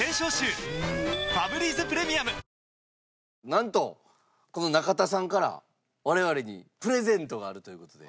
なんとこの中田さんから我々にプレゼントがあるという事で。